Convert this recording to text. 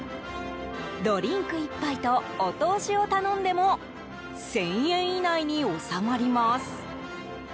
ドリンク１杯とお通しを頼んでも１０００円以内に収まります。